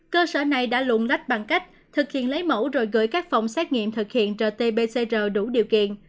cơ sở này đã lụng lách bằng cách thực hiện lấy mẫu rồi gửi các phòng xét nghiệm thực hiện rt pcr đủ điều kiện